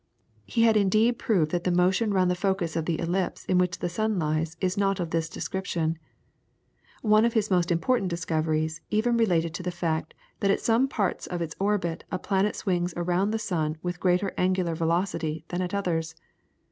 He had indeed proved that the motion round the focus of the ellipse in which the sun lies is not of this description. One of his most important discoveries even related to the fact that at some parts of its orbit a planet swings around the sun with greater angular velocity than at others.